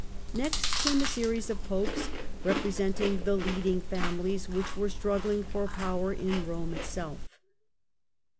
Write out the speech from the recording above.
Next came a series of Popes representing the leading families which were struggling for power in Rome itself.